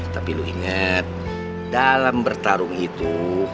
tapi lo ingat dalam bertarung itu